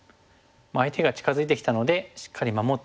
相手が近づいてきたのでしっかり守っておく。